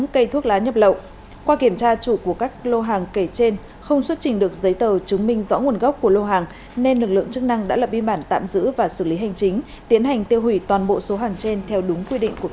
cây thuốc lá nhập lậu qua kiểm tra chủ của các lô hàng kể trên không xuất trình được giấy tờ chứng minh rõ nguồn gốc của lô hàng nên lực lượng chức năng đã lập biên bản tạm giữ và xử lý hành chính tiến hành tiêu hủy toàn bộ số hàng trên theo đúng quy định của pháp